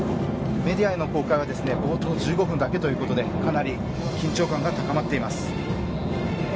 メディアへの公開は冒頭１５分だけということでかなり緊張感が高まっています。